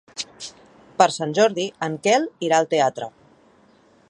Per Sant Jordi en Quel irà al teatre.